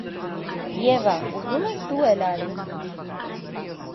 - Եվա, ուզո՞ւմ ես, դու էլ արի: